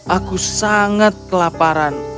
aku sangat kelaparan